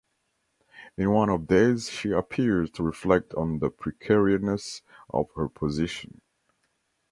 In one of these she appears to reflect on the precariousness of her position.